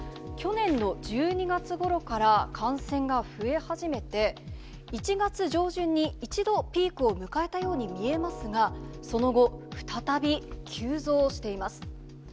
去年の１２月ごろから感染が増え始めて、１月上旬に一度ピークを迎えたように見えますが、その後、再び急増しています。